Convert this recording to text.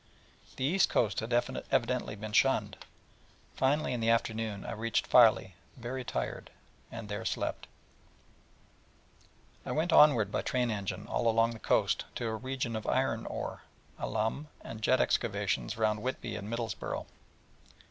The east coast had evidently been shunned. Finally, in the afternoon I reached Filey, very tired, and there slept. I went onward by train engine all along the coast to a region of iron ore, alum, and jet excavations round Whitby and Middlesborough.